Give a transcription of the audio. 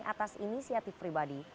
atas inisiatif pribadi